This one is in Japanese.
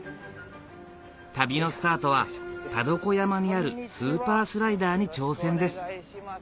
旅のスタートは田床山にあるスーパースライダーに挑戦です